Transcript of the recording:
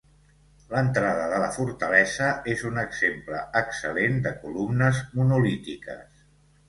L'entrada de la fortalesa és un exemple excel·lent de columnes monolítiques.